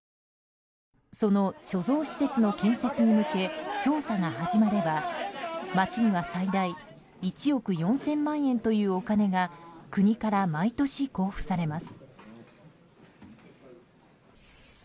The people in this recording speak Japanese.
その貯蔵施設の建設に向け調査が始まれば町には最大１億４０００万円というお金が国から毎年、交付されます。